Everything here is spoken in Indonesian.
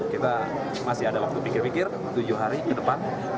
kita masih ada waktu pikir pikir tujuh hari ke depan